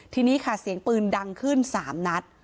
ทีนี้ค่ะเสียงปืนดังขึ้น๓นัด